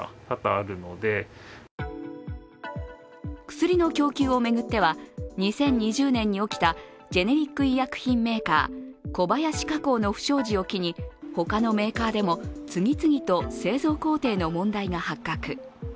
薬の供給を巡っては、２０２０年に起きたジェネリック医薬品メーカー、小林化工の不祥事を機に他のメーカーでも次々と製造工程の問題が発覚。